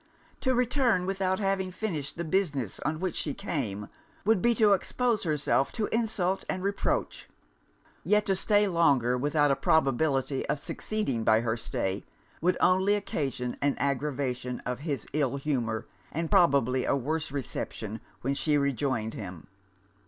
To return without having finished the business on which she came, would be to expose herself to insult and reproach; yet to stay longer, without a probability of succeeding by her stay, would only occasion an aggravation of his ill humour, and probably a worse reception when she rejoined him.